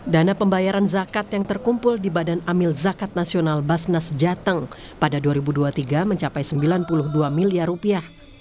dana pembayaran zakat yang terkumpul di badan amil zakat nasional basnas jateng pada dua ribu dua puluh tiga mencapai sembilan puluh dua miliar rupiah